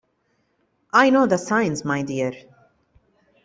I know the signs, my dear.